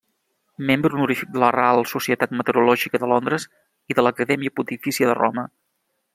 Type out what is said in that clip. Membre honorífic de la Real Societat meteorològica de Londres i de l'Acadèmia Pontifícia de Roma.